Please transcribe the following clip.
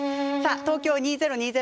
東京２０２０